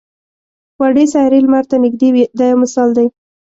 وړې سیارې لمر ته نږدې وي دا یو مثال دی.